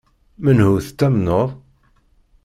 Menhu tettamneḍ?